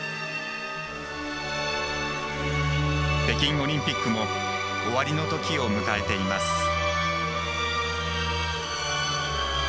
北京オリンピックも終わりのときを迎えています。